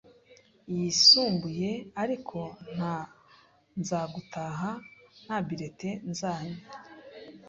yisumbuye ariko nza gutaha nta bulletin nzanye